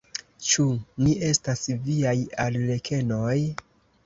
Ĉu ni estas viaj arlekenoj?